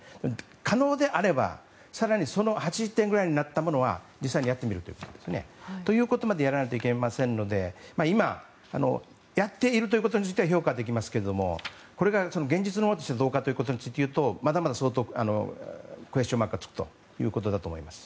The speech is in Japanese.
可能であれば、更に８０点ぐらいになったものは実際にやってみるということですね。ということまでやらないといけませんので今、やっているということについては評価できますけどもこれが、現実としてどうかというとまだまだ相当クエスチョンマークがつくと思います。